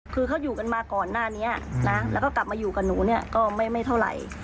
คือเขาอยู่กันมาก่อนหน้านี้นะแล้วก็กลับมาอยู่กับหนูเนี่ยก็ไม่เท่าไหร่